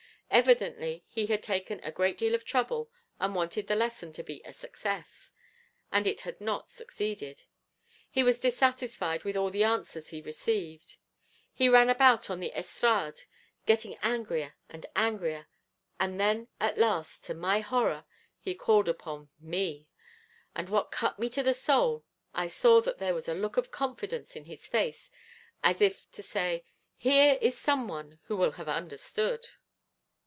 Evidently he had taken a great deal of trouble, and wanted the lesson to be a success. And it had not succeeded. He was dissatisfied with all the answers he received. He ran about on the estrade getting angrier and angrier. And then at last, to my horror, he called upon me; and what cut me to the soul, I saw that there was a look of confidence in his face, as if to say 'Here is some one who will have understood!'